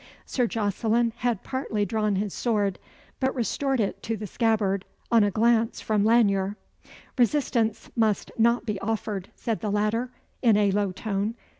Sir Jocelyn had partly drawn his sword, but restored it to the scabbard on a glance from Lanyere. "Resistance must not be offered," said the latter, in a low tone.